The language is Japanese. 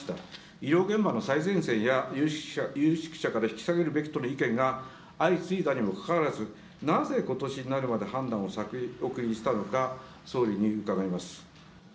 医療現場の最前線や有識者から引き下げるべきとの意見が相次いだにもかかわらず、なぜことしになるまで判断を先送りにしたのか、総理に伺います。